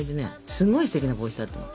すごいステキな帽子だったの。